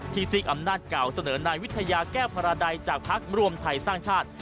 ที่สีกอำนาจเก่าเสนอในวิทยาแก้วภาราใดจากภักดิ์รวมไทยสร้างชาติ